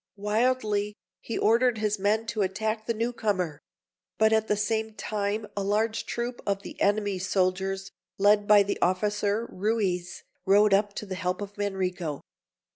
Wildly, he ordered his men to attack the newcomer; but at the same time, a large troop of the enemy's soldiers, led by the officer, Ruiz, rode up to the help of Manrico.